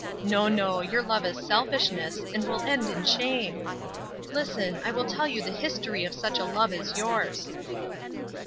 no, no, your love is selfishness, and will end in shame! Listen, I will tell you the history of such a love as yours."